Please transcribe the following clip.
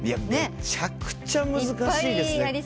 めちゃくちゃ難しいですね。